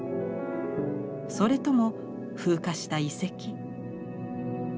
それとも風化した遺跡？